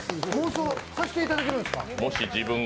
妄想させていただけるんですか。